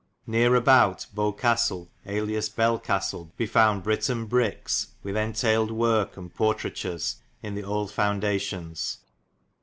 Nere abowt Bou Castel alias Belcastel be fownd Briton brikes, with entayled worke and portretures, yn the old fundations.